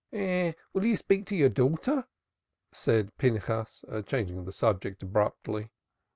"You will speak to your daughter?" said Pinchas, changing the subject abruptly.